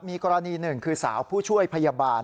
มีกรณีหนึ่งคือสาวผู้ช่วยพยาบาล